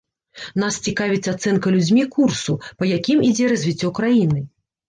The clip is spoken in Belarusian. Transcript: Нас цікавіць ацэнка людзьмі курсу, па якім ідзе развіццё краіны.